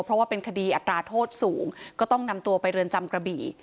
เพราะว่าเป็นคดีอัตราโทษสูงก็ต้องนำตัวไปเรือนจำกระบี่